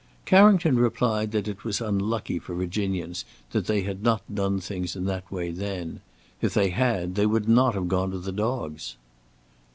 Carrington replied that it was unlucky for Virginians that they had not done things in that way then: if they had, they would not have gone to the dogs.